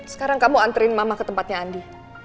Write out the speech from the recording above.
sekarang kamu anterin mama ke tempatnya andi